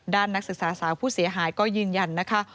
นักศึกษาสาวผู้เสียหายก็ยืนยันนะคะ